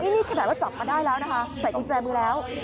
นี่ขนาดว่าจับมาได้แล้วนะคะใส่กุญแจมือแล้ว